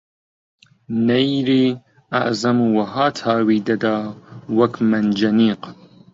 نەییری ئەعزەم وەها تاوی دەدا وەک مەنجەنیق